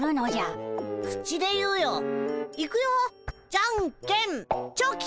じゃんけんチョキ！